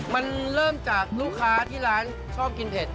มันเริ่มจากลูกค้าที่ร้านชอบกินเผ็ด